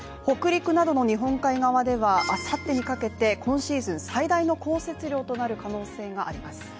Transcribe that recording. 北陸などの日本海側ではあさってにかけて今シーズン最大の降雪量となる可能性があります。